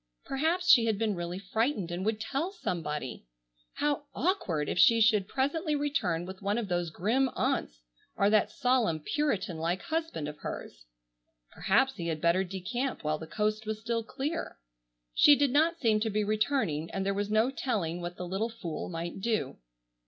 Perhaps she had been really frightened and would tell somebody! How awkward if she should presently return with one of those grim aunts, or that solemn puritan like husband of hers. Perhaps he had better decamp while the coast was still clear. She did not seem to be returning and there was no telling what the little fool might do.